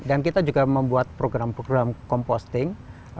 dan kita juga membuat program program komposting